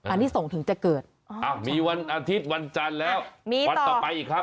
อันนี้ส่งถึงจะเกิดมีวันอาทิตย์วันจันทร์แล้วมีวันต่อไปอีกครับ